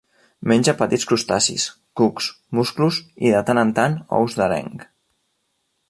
Menja petits crustacis, cucs, musclos i, de tant en tant, ous d'areng.